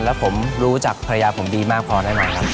แล้วผมรู้จักภรรยาผมดีมากพอแน่นอนครับ